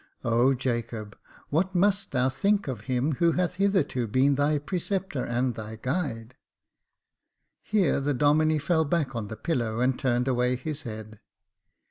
O Jacob ! what must thou think of him who hath hitherto Jacob Faithful 125 been thy preceptor and thy guide !" Here the Domine fell back on the pillow, and turned away his head.